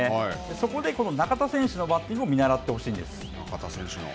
そこで中田選手のバッティングを見習ってほしいんです。